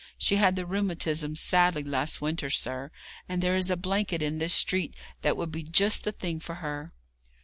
She had the rheumatism sadly last winter, sir, and there is a blanket in this street that would be just the thing for her.'